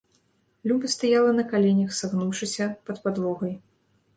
Люба стаяла на каленях, сагнуўшыся, пад падлогай.